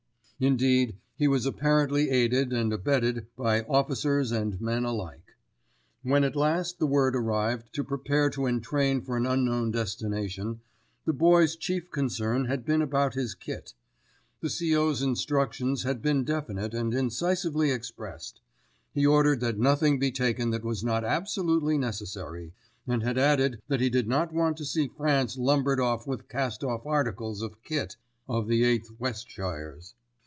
Indeed, he was apparently aided and abetted by officers and men alike. When at last the word arrived to prepare to entrain for an unknown destination, the Boy's chief concern had been about his kit. The C.O.'s instructions had been definite and incisively expressed. He ordered that nothing be taken that was not absolutely necessary, and had added that he did not want to see France lumbered up with cast off articles of kit of the 8th Westshires.